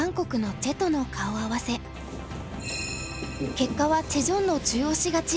結果はチェ・ジョンの中押し勝ち。